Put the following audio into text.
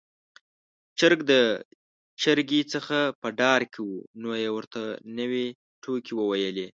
چرګ د چرګې څخه په ډار کې و، نو يې ورته نوې ټوکې وويلې.